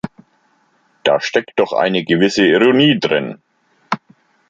Da steckt doch eine gewisse Ironie drin.